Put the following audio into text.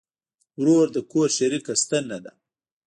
ورور د کور شریکه ستنه ده.